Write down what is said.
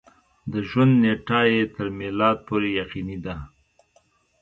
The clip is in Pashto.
د ژوند نېټه یې تر میلاد پورې یقیني ده.